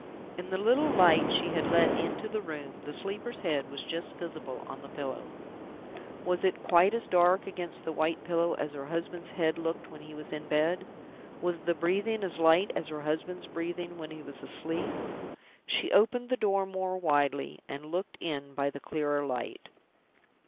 In the little light she had let into the room, the sleeper's head was just visible on the pillow. Was it quite as dark against the white pillow as her husband's head looked when he was in bed? Was the breathing as light as her husband's breathing when he was asleep? She opened the door more widely, and looked in by the clearer light.